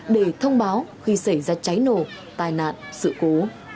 để thông báo khi xảy ra cháy nổ tai nạn sự cố